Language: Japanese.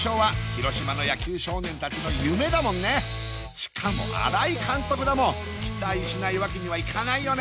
しかも新井監督だもん期待しないわけにはいかないよね